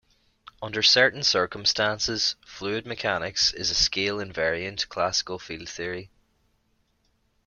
Under certain circumstances, fluid mechanics is a scale-invariant classical field theory.